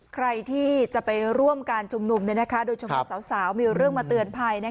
ใครที่จะไปร่วมการชุมนุมโดยเฉพาะสาวมีเรื่องมาเตือนภัย